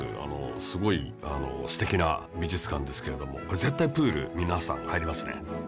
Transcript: すごい素敵な美術館ですけれども絶対プール皆さん入りますね。